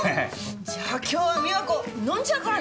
じゃあ今日は美和子飲んじゃうからね。